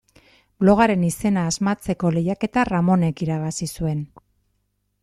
Blogaren izena asmatzeko lehiaketa Ramonek irabazi zuen.